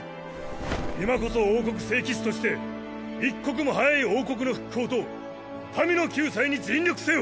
今こそ王国聖騎士として一刻も早い王国の復興と民の救済に尽力せよ！